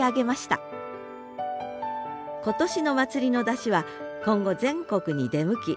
今年の祭りの山車は今後全国に出向き